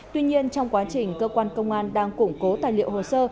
tuy nhiên trong quá trình cơ quan công an đang củng cố tài liệu hồ sơ